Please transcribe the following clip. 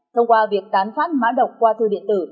thông qua việc tán phát mã độc qua thư điện tử